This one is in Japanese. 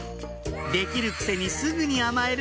できるくせにすぐに甘える